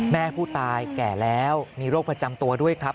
แม่ผู้ตายแก่แล้วมีโรคประจำตัวด้วยครับ